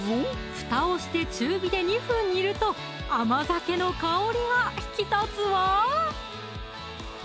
ふたをして中火で２分煮ると甘酒の香りが引き立つわ！